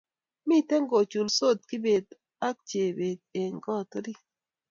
Miten kochulsot Kibet ago Chebet eng koot orit